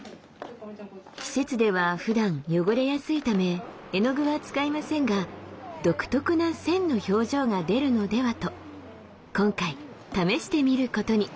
施設ではふだん汚れやすいため絵の具は使いませんが独特な「線」の表情が出るのではと今回試してみることに。